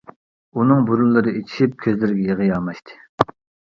ئۇنىڭ بۇرۇنلىرى ئېچىشىپ كۆزلىرىگە يىغا ياماشتى.